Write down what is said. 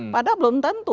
padahal belum tentu